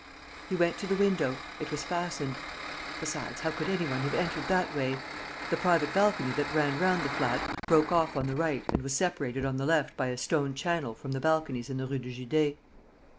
He went to the window: it was fastened. Besides, how could any one have entered that way? The private balcony that ran round the flat broke off on the right and was separated on the left by a stone channel from the balconies in the Rue de Judée.